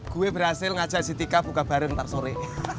gue berhasil ngajak si tika buka barang ntar sore